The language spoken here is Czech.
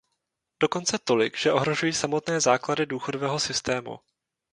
Dokonce tolik, že ohrožují samotné základy důchodového systému.